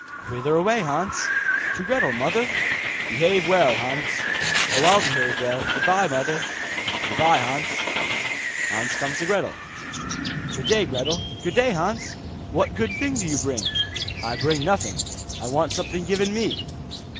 'Whither away, Hans?' 'To Gretel, mother.' 'Behave well, Hans.' 'Oh, I'll behave well. Goodbye, mother.' 'Goodbye, Hans.' Hans comes to Gretel. 'Good day, Gretel.' 'Good day, Hans. What good thing do you bring?' 'I bring nothing, I want something given me.